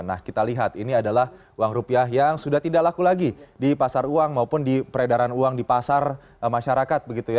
nah kita lihat ini adalah uang rupiah yang sudah tidak laku lagi di pasar uang maupun di peredaran uang di pasar masyarakat